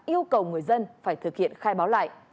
yêu cầu người dân phải thực hiện khai báo lại